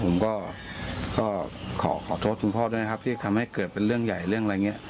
ผมก็ขอโทษคุณพ่อด้วยนะครับที่ทำให้เกิดเป็นเรื่องใหญ่เรื่องอะไรอย่างนี้